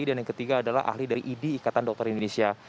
dan yang ketiga adalah ahli dari id ikatan dokter indonesia